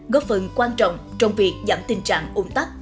góp phần quan trọng trong việc giảm tình trạng ung tắc